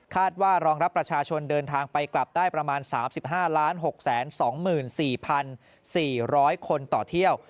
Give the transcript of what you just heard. ว่ารองรับประชาชนเดินทางไปกลับได้ประมาณ๓๕๖๒๔๔๐๐คนต่อเที่ยว